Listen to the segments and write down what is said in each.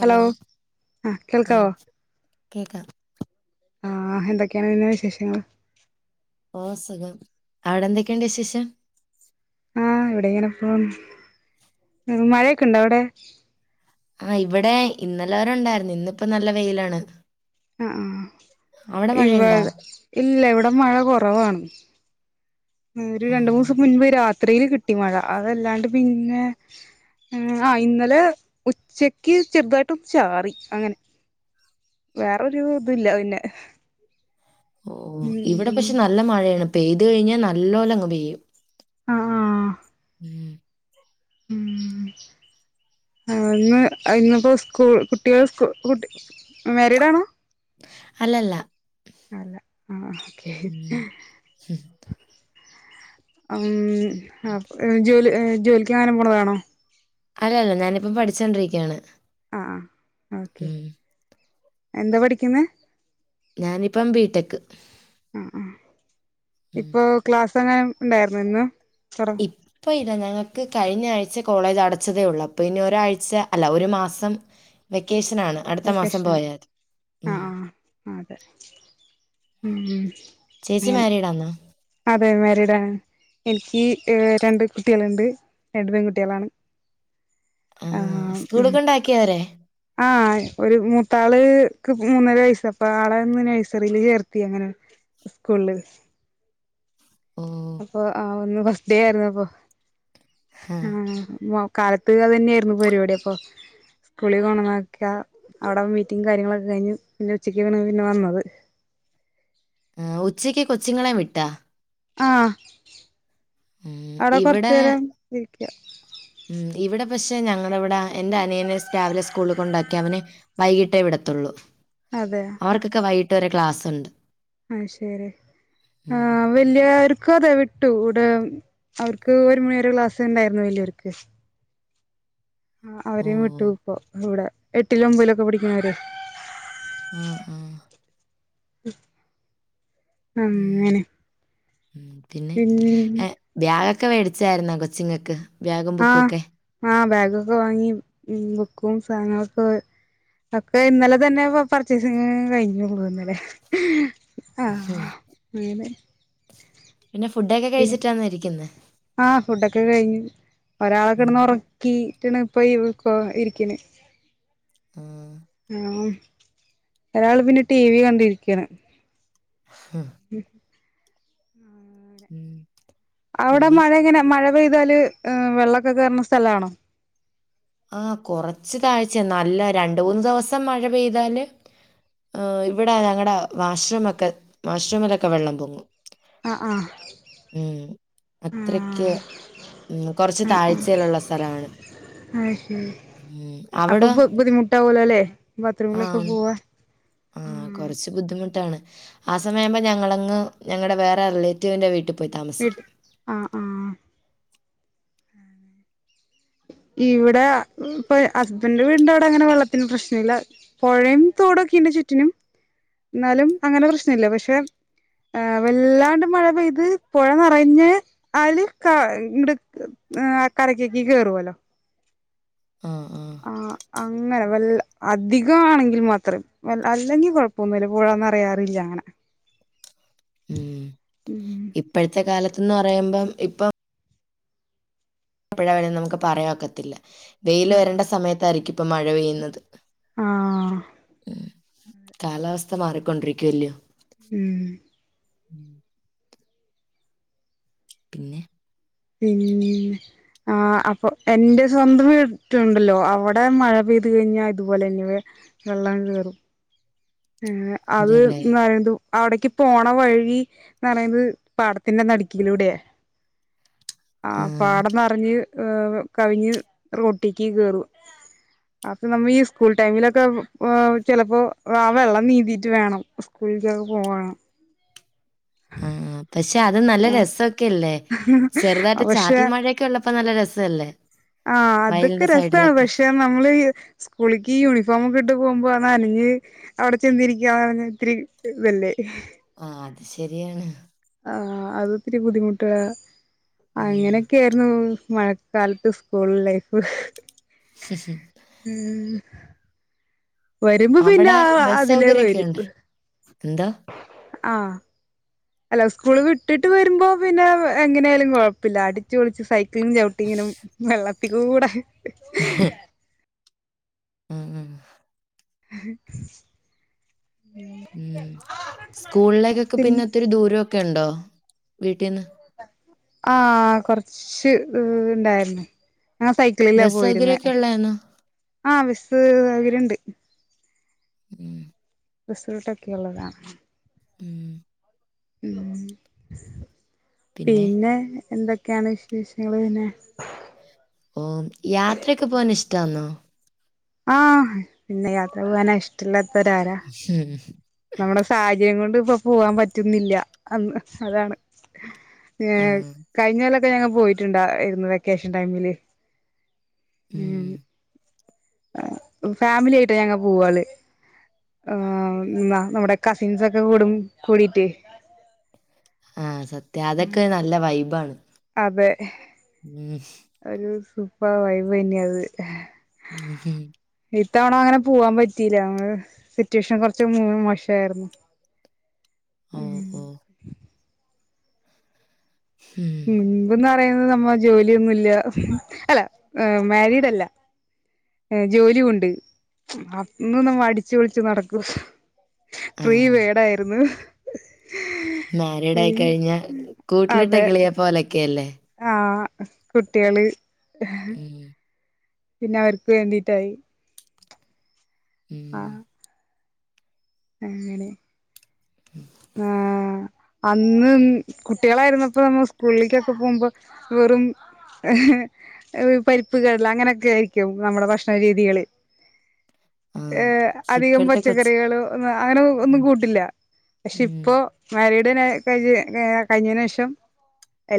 Hello ആഹ് കേൾക്കാവോ? കേക്കാം. ആഹ് എന്തൊക്കെയാണ് പിന്നെ വിശേഷങ്ങള്? ഓസുഖം അവിടെ എന്തൊക്കെയണ്ട് വിശേശം? ആഹ് ഇവിടെ ഇങ്ങനെ പോന്ന്. മഴയൊക്കെ ഇണ്ടോ അവിടെ? ആഹ് ഇവിടെ ഇന്നലെവരെ ഉണ്ടായിരുന്നു ഇന്നിപ്പോ നല്ല വെയിലാണ്. ആഹ് ആഹ് അവിടെ മഴയുണ്ടാ ഇവട് ഇല്ല ഇവിടെ മഴ കുറവാണ്. ഒരു രണ്ടു ഉം മൂസം മുൻപ് രാത്രിയില് കിട്ടി മഴ അതല്ലാണ്ട് പിന്നെ, ആ ഇന്നലെ ഉച്ചക്ക് ചെറുതായിട്ട് ഒന്ന് ചാറി അങ്ങനെ വേറൊരു ഇതില്ല പിന്നെ ഓ ഉം ഇവിടെ പക്ഷെ നല്ല മഴയാണ് പെയ്ത് കഴിഞ്ഞാൽ നല്ലോലങ്ങ് പെയ്യും. ആ മ് മ്ഹ് ആഹ് ന്ന് ഇന്നിപ്പോ സ്കൂൾ കുട്ടികൾ സ്കൂ മാരീഡാണോ? അല്ലല്ല. അല്ല ആഹ് ഓക്കേ. ഉം മ് ജോലി ജോലിക്കെങ്ങാനും പോണതാണോ? അല്ല അല്ല ഞാനിപ്പം പഠിച്ചോണ്ടിരിക്കയാണ്. ആഹ് ആഹ് ഓക്കെ ഉം എന്താ പഠിക്കുന്നെ? ഞാനിപ്പം ബി ടെക്ക്. ആ മ് പ്പൊങ്ങനെ ഉണ്ടായിരുന്നു ഇന്ന്? തുറ ഇപ്പൊ ഇ ഇല്ല ഞങ്ങൾക്ക് കഴിഞ്ഞ ആഴ്ച കോളേജ് അടച്ചതേ ഉള്ളൂ, അപ്പോ ഇനി ഒരാഴ്ച അല്ല ഒരു മാസം വെ ക്കേഷനാണ് അടുത്ത മാസം വെക്കേഷനാണ് പോയാതി ആ മ് ആ അതെ ഉം ചേച്ചി മാരീഡാന്നോ? അതേ മാരിടാ. എനിക്ക് ഏ രണ്ട് കുട്ടികളുണ്ട് രണ്ട് പെൺകുട്ടികളാണ്. ആഹ് സ്കൂള് മ് കൊണ്ടാക്കിയോ അവരെ? അഹ് ഒരു മൂത്ത ആള് ക്ക് മൂന്നര വയസ് അപ്പൊ ആളെ ഒന്ന് നേഴ്സറീല് ചേർക്കി അങ്ങനെ. ഉസ്കൂളില് ഓഹ് അപ്പൊ ആ ഒന്ന് ഫസ്ഡേ ആയിരുന്നു അപ്പൊ ആഹ് വാ കാലത്ത് അത് തന്നെയായിരുന്നു പരിപാടി അപ്പൊ. സ്കൂളിൽ കോണ്ടന്നാക്കിയ അവിടെ മീറ്റിംഗ് കാര്യങ്ങളൊക്കെ കഴിഞ്ഞ് പിന്നെ ഉച്ചക്കാണ് പിന്നെ വന്നത്. [inaudible] ആഹ് ഉച്ചക്ക് കൊച്ചുങ്ങളേം വിട്ടാ? ആഹ് ഉം അവിടെ കൊറച്ചു ഇവിടെ നേേരം വിരിക്ക. ഉം ഇവിടെ പക്ഷെ ഞങ്ങളവിടെ എന്റെ അനിയനെ രാവിലെ സ്കൂളിൽ കൊണ്ടാക്കി അവനെ വൈകിട്ടേ വിടത്തുള്ളൂ. അതെ അവർക്കൊക്കെ വൈകിട്ട് ഒരെ ക്ലാസ് ഇണ്ട് ആഹ് ശെരി ആ വല്യ വ ക്ക അതെ വിട്ടു ഇവിടെ അവർക്ക് ഒരു മണിരെ ക്ലാസ് ഉണ്ടായിരുന്നു വലിയവർക്ക് ആ അവരും വിട്ടു ഓഹ് ഇപ്പോ ഇവിടെ എട്ടില ഒമ്പിലൊക്കെ പിടിക്കണവര് ഉം ഉം ഉം അങ്ങനെ ഉം പിന്നെ ബാഗൊക്കെ മേടിച്ചായിരുന്നോ കൊച്ചിങ്ങക്ക് ആഹ് ആ ബാഗൊക്കെ വാങ്ങി ബുക്കും സാധനങ്ങളൊക്കെ ഒക്കെ ഇന്നലെ തന്നെ പർച്ചേസിങ് കഴിഞ്ഞ് [unintelligible] ള്ളന്നല്ലേ ഉം. ആഹ് പിനെ പിന്നെ ഫുഡൊക്കെ കഴിച്ചിട്ടാന്ന ഇരിക്കുന്നേ ആഹ് ഫുഡൊക്കെ കഴിഞ്ഞു ഒരാളൊക്കെ ഉം കെടന്ന് ഒറക്കി. ട്ട്ണ് [unintelligible] പോയി ഇരിക്കണ് ആഹ് ആഹ് ഒരാള് പിന്നെ ടി വി കണ്ടിരിക്കാണ് ഉം ഉം അവിടെ പിന്നെ മഴ ഇങ്ങനെ മഴ പെയ്താല് വെള്ളൊക്കെ കേറുന്ന സ്ഥലാണോ ആഹ് കൊറച്ചു താഴ്ചെ നല്ല രണ്ട് മൂന്നു ദിവസം മഴ പെയ്താല് ഇവിടെ ഞങ്ങളടെ വാഷ്രമൊക്കെ വാഷ്രമലൊക്കെ വെള്ളം പൊങ്ങും അഹ് ആഹ് ഉം അത്രക്ക് ആഹ് ഉം കൊറച്ച് താഴ്ചയില് ള്ള സലാണ്. അയ് ശരി അപ്പൊ ബുദ്ധിമുട്ടാവുല്ലോ ബാത്റൂമിലൊക്കെ പോവാൻ ആഹ് കൊറച്ച് ബുദ്ധിമുട്ടാണ് ആ സമയാംപ ഞങ്ങളങ്ങ് ഞങ്ങളടെ വേറെ റിലേറ്റീവിന്റെ വീട്ടിൽ പോയി വീട്ട് താമസിക്കും ആഹ് ആഹ് ഇവിടെ ഇപ്പൊ ഹസ്ബന്റെ വീടിന്റെ അവിടെ അങ്ങനെ വെള്ളത്തിന് പ്രശ്ന ഇല്ല പുഴയും തോടും ക്കിണ്ട് ചുറ്റിനും എന്നാലും അങ്ങനെ പ്രശ്നല്ല പക്ഷെ ആ വല്ലാണ്ട് മഴ പെയ്ത് പുഴ നിറഞ്ഞ് ആല് ക ആ കരക്കേക്കി കേറുവല്ലോ ആഹ് ആ അങ്ങനെ വല്ല അധികം ആണെങ്കിൽ മാത്രം അല്ലെങ്കിൽ കൊഴപ്പൊന്നുല്ല പുഴ നെറയാറില്ല അങ്ങനെ ഉം ഉം ഇപ്പഴത്തെ കാലത്ത്ന്ന് പറയുമ്പം ഇപ്പം പ്പഴാ വരുന്നെന്ന് നമുക്ക് പറയാ ഒക്കത്തില്ല വെയില് ആഹ് വരണ്ട സമയത്തായിരിക്കും ഇപ്പ മഴ പെയ്യുന്നത് ആഹ് ഉം. കാലാവസ്ഥ മാറിക്കൊണ്ടിരിക്കുവല്ലയോ ഉം പിന്നെ ഉം ആ അപ്പൊ എന്റെ സ്വന്തം വീട്ടിണ്ടല്ലോ അവിടെ മഴ പെയ്തു കഴിഞ്ഞാ ഇതുപോലെന്നാ വെള്ളം കേറും ഉം അത് അതല്ലേ. [unintelligible] അവിടേക്ക് പോണ വഴി എന്ന് പറയുന്നത് പാടത്തിന്റെ നടുക്കീലൂടെയാ ആഹ് പാടം നെർഞ്ഞ് അ് കവിഞ്ഞ് റൊട്ടിക്ക് കേറും. അപ്പൊ നമ്മ ഈ സ്കൂൾ ടൈമിലൊക്കെ അ് ചെലപ്പോ ആഹ് വെള്ളം നീന്തീട്ട് വേണം സ്കൂളിക്കൊക്കെ പോവണം ആ പക്ഷെ അത് നല്ല രസൊക്കെല്ലേ ചെറുതായിട്ട് ചാറ്റൽ മഴയൊക്കെ ഉള്ളപ്പോ നല്ല രസ രസല്ലേ? ആ് അതൊക്കെ വയലിന്റെ രസമാണ് സൈഡിലൊക്കെ. പക്ഷെ നമ്മള് സ്കൂളിക്ക് ഈ യൂണിഫോമ ഒക്കെ ഇട്ട് പോകുമ്പോന്ന അനഞ്ഞ് അവിടെ ചെതിരിക്കാ ഇത്തിരി ഇതല്ലേ? ആഹ്. അത് ശരിയാണ് ആഹ് അതൊത്തിരി ബുദ്ധിമുട്ട ടാ ഉം. അങ്ങനെക്കെയിര്ന്നു. മഴക്കാലത്ത് സ്കൂൾ ലൈഫ് വരുമ്പോ പിന്നെ അവിടെ ആ ബസ് അതിലേ സൗകര്യൊക്കെ വരൂ ഉണ്ടോ? എന്തോ? ആഹ് അല്ല സ്കൂള് വിട്ടിട്ട് വരുമ്പോ പിന്നെ എങ്ങനായാലും കൊഴപ്പല്ല അടിച്ച് പൊളിച്ച് സൈകിളും ചൗട്ടി. വെള്ളത്തി കൂടെ ഹ് ഉം ഉം എഹ് ഉം സ്കൂളിലേക്കൊക്കെ പിൻ പിന്നെ ഒത്തിരി ദൂരൊ ക്കെണ്ടോ വീട്ടിന്ന്. ആഹ് കൊർച്ച് അ് ഇണ്ടായീര് ന്ന്. ഞാൻ സൈക്കിളിലാ ബസ് പോയിര്ന്നേ സൗകര്യൊക്കെ ഉള്ളയാന്നോ? ആഹ് ബെസ്സ് വെര് ണ്ട്. ഉം ബസ് റൂട്ടൊക്കെള്ളതാ. ഉം ഉം പിന്നെ എന്തൊ ക്കെയാണ് വിശേഷങ്ങള് പിന്നെ ഓ യാത്രക്കെ പോവാന് ഇഷ്ടാന്നോ? ആഹ് പിന്നെ യാത്ര പോവാന് ഇഷ്ടല്ല ഹിം നമ്മുടെ സാഹചര്യം കൊണ്ട് പ്പൊ പോവാം പറ്റ്ന്നില്ല അന്ന് അതാണ് ഏ കഴിഞ്ഞൊ ല്ലൊക്കെ ഞങ്ങ പോയിട്ടുണ്ടയിരുന്നു വെക്കേഷൻ ടൈമില്. ഉം അ് ഫാമിലിയായിട്ടാ ഞങ്ങള് പോവാല് ആഹ് എന്നാ നമ്മുടെ കസിൻസൊക്കെ കൂടും കൂടിട്ട്. ആഹ് സത്യം അതൊക്കെ നല്ല വൈബാണ്. അതെ ഉം, അതൊരു സൂപ്പാർ വൈബന്നെ ത് ഉം ഹും ഇത്തവണ അങ്ങനെ പോവാം പറ്റില്ല സിറ്റുവേഷൻ കൊർച്ച് മോശായിരുന്നു. ഓ ഉം ഓ ഉം പിന്നെ പിന്നമ്മ ജോല്യൊന്നുല്ല അല്ല മാരീഡല്ല. എ ജോലിയൂണ്ട് അപ്പങ്ങനെ മടിച്ച് മടിച്ച് നടക്കും. ആ ഫ്രീ ബേടായിരുന്നു. മാരീഡായിക്കഴിഞ്ഞ കൂട്ടിലിട്ട അതെ കിളിയെ പോലൊക്കെല്ലേ. ആഹ് കുട്ട്യാള്. ഉം, പിന്നെ അവർക്ക് വേണ്ടീട്ടായി. ഉം അങ്ങനെ ആഹ് അന്ന് കുട്ടികളായിരുന്നപ്പോ നമ്മ സ്കൂളിലേക്കൊക്കെ പോവുമ്പോ വെറും പരിപ്പ്, കടല അങ്ങനൊക്കേയായിരിക്കും നമ്മടെ ഭക്ഷണ രീതികള്. ആ ഏ അധികം ഇപ്പോഴത്തെ കൊച്ചു പച്ചക്കറികൾ ഒന്ന് അങ്ങനെ ഒന്നും ഉം, കൂട്ടില്ല. പക്ഷേ ഉം. പ്പോ മരീഡി ന കഴിഞ്ഞ് ഏ കഴ്ഞ്ഞേനേഷം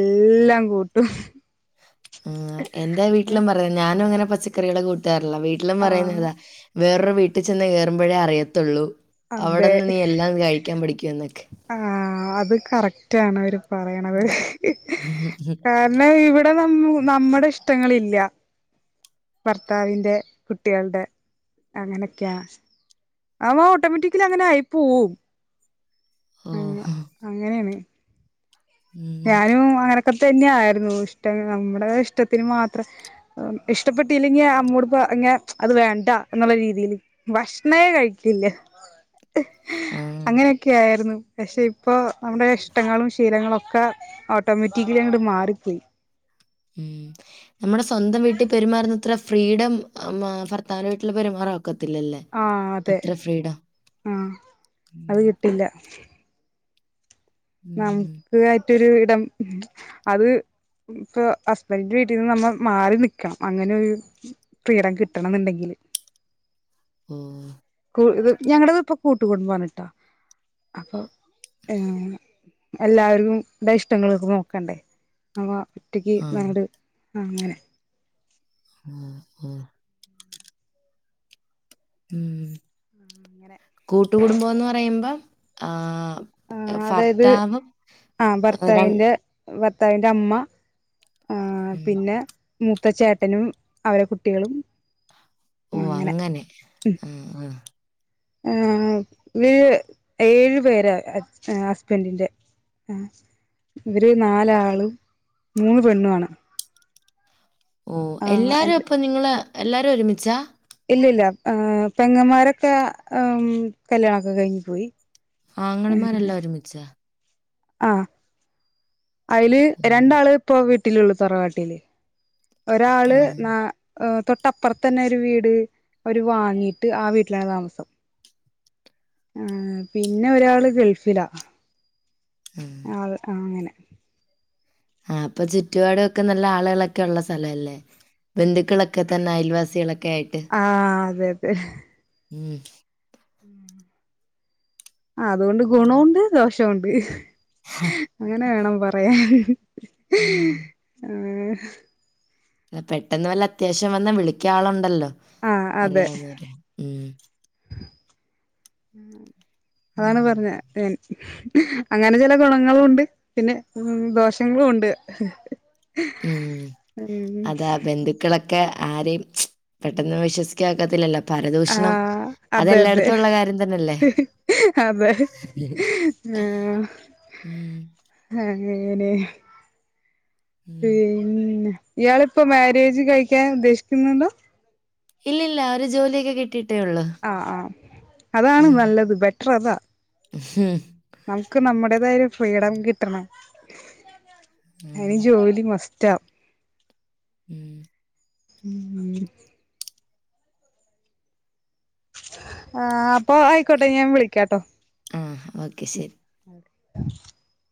എല്ലാം കൂട്ടും. ഏ എന്റെ വീട്ടിലും പറയാ ഞാനങ്ങനെ പച്ചക്കറികളെ കൂട്ടാറില്ല വീട്ടിലും ആഹ് പറയുന്നതാ വേറൊരു വീട്ടി ചെന്ന് കയറുമ്പഴേ അറിയത്തൊള്ളൂ അതെ അവിടെന്ന് നീ എല്ലാം കഴിക്കാൻ പഠിക്കാൻ നോക്ക് ആ അത് കറക്റ്റ് ആണ് ഒരു പറയണത് ഹ് ഹ് കാരണം ഇവിടെ വന്നു നമ്മുടെ ഇഷ്ടങ്ങളില്ല ഭർത്താവിൻ്റെ കുട്ടികളുടെ അങ്ങനൊക്കെയാ അവ ഓട്ടോമറ്റിക്കലി അങ്ങനെ ആയി പോവും ഓ ആ അങ്ങനെയാണ് ഉം, ഞാനും അങ്ങന ഒക്കെ തന്നെയ ആായിരുന്നു ഇഷ്ട നമ്മുടെ ഇഷ്ടത്തിന് മാത്രം ഇഷ്ടപ്പെട്ടല്ലെങ്കി നമ്മോട് പ അങ്ങെ അത് വേണ്ട എന്നുള്ള രീതിയില് ഭക്ഷണമേ കഴിക്കില്ലേ ആ, അങ്ങനെയൊക്കെ ആയിരുന്നു പക്ഷെ ഇപ്പോൊ നമ്മുടെ ഇഷ്ടങ്ങളും ശീലങ്ങളും ഒക്ക ഓട്ടോമാറ്റിക്കലി അങ്ങോട്ട് മാറിപ്പോയി ഉം നമ്മുടെ സ്വന്തം വീട്ടിൽ പെരുമാറുന്ന ത്ര ഫ്രീഡം ഭർത്താനുമായിട്ടുള്ള പെരുമാറ ക്കത്തില്ലേ ആ അതെ അത്ര ഫ്രീഡ ആ അത് കിട്ടില്ല ഉം നമുക്ക് ആയിട്ടൊരു ഇടം അത് ഇപ്പൊ ഹസ്ബൻഡന്റെ വീട്ടിൽന്ന് നമ്മൾ മാറി നിക്കണം അങ്ങനെരു ഫ്രീടം കിട്ടണം എന്നുണ്ടെങ്കില് [inaudible] ഓ ഇ ഞങ്ങള ഇത് ഇപ്പോൊ കൂട്ട് കുടുംബംണ് ട്ടോ അപ്പൊ ഏ എല്ലാവർക്കുംടെ ഇഷ്ടങ്ങളൊക്കെ നോക്കണ്ടേ നമ്മ ഒറ്റയ്ക്ക് ആഹ് നട് അങ്ങനെ ആഹ ഉഹ ഉ അങ്ങനെ കൂട്ടുകുടുംബംന്ന് പറയുമ്പോം ആ ആ അതായത് ആ ഭർത്താവിന്റെ ഭർത്താവിന്റെ അമ്മ ആ ഉം പിന്നെ മൂത്ത ചേട്ടനും അവരെ കുട്ടികളും ഓ അങ്ങനെ ആ ആ ആ ഒരുര് ഏഴു പേര ഹസ്ബൻറിിന്റെ ആ ഇവര് നാലാളും മൂന്ന് പെണ്ണു ആണ് ഓ എല്ലാരും ഇപ്പൊ നിങ്ങള് എല്ലാരും ഒരുമിച്ചാ ഇല്ല ഇല്ല പെങ്ങന്മാരൊക്കെ കല്യാണംക്കെ കഴിഞ്ഞ് പോയി ആംഗളമാരെല്ലാം ഒരുമിച്ചാ ആ അയില് ഓഹ് രണ്ടാള് ഇപ്പൊ വീട്ടിലള്ളു തറവാട്ടീയില് ഒരാള് ആഹ് ന ഓ തൊട്ടപ്പുറത്ത തന്നെ ഒരു വീട് അവര് വാങ്ങിീട്ട് ആ വീട്ടിലാണ് താമസം ആ പിന്നെ ഒരാള് ഗൾഫിലാ ആഹ് ആ അങ്ങനെ ആ അപ്പൊ ചുറ്റുപാടൊക്കെ നല്ല ആളുളൊക്കെ ഉള്ള സ്ഥലല്ലേ ബന്ധുക്കളൊക്കെ തന്നെ അയൽവാസികളൊക്കെ ആയിട്ട് ഉം ഹ് ഉം ആ അതുകൊണ്ട് ഗുണവുംണ്ട് ദോഷവുംണ്ട് ഹ് അങ്ങനെ വേണം പറയാൻ ഹ് ഹ് ഊം.. ആഹ് പെട്ടെന്ന് വല്ല അത്യാവശ്യം വന്ന വിളിക്ക ളുണ്ടല്ലോ ആഹ് അതെ അറിയന്നൊരു ഉം അതാണ് ഉം. പറഞ്ഞ ൻ അങ്ങനെ ചില ഗുണങ്ങളും ഉണ്ട് പിന്നെ ഉം ദോഷങ്ങളും ഉണ്ട് ഉം ഉം അതാ ബന്ധുക്കളൊക്കെ ക്കെ ആരെയുംജ്. പെട്ടെന്ന് വിശ്വസിക്ക ഒക്കത്തില്ലല്ലോ ആ... പരദൂഷണം അതെ അതെ അതെല്ലായിടത്തും ഉള്ള കാര്യം തന്നെയല്ലേ? ഹ് ഹ് അ അതെഹ് ആഹ് ഹ് ഉം [unintelligible] അഎങ്ങനെ ഹ് പി.. ഉം. ന്നെ ഇയാളിപ്പോൊ മാരേജ് കഴിക്കാൻ ഉദ്ദേശിക്കുന്നുണ്ടോ ഇല്ലില്ലാ ഒരു ജോലിയൊക്കെ കിട്ടി [unintelligible] അ ആ അതാണ് നല്ലത് ബെറ്റർ അതാ ഹ്മ്മ് നമക്ക് നമ്മുടേതായ ഒരു ഫ്രീഡം കിട്ടണം [inaudible] അയ്‌ന് ജോലി മസ്റ്റാ.. ഊം മ്... മമ് [inaudible] ആ പ്പോ ആയിക്കോട്ടെ ഞാൻ വിളിക്കാട്ടോ ആ ഓക്കെ ശരി [unintelligible]